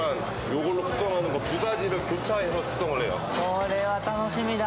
これは楽しみだ！